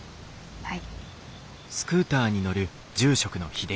はい。